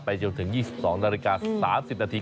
จนถึง๒๒นาฬิกา๓๐นาที